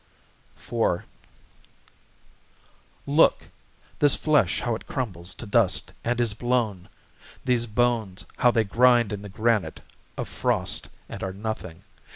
IV ... Look! this flesh how it crumbles to dust and is blown! These bones, how they grind in the granite of frost and are nothing!